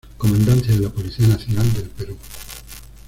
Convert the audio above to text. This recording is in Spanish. Comandancia de la Policía Nacional del Perú.